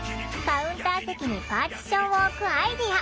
カウンター席にパーティションを置くアイデア。